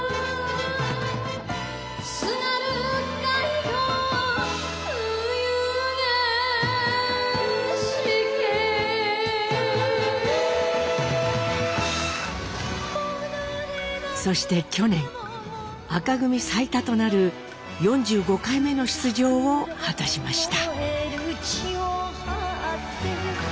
津軽海峡冬景色」そして去年紅組最多となる４５回目の出場を果たしました。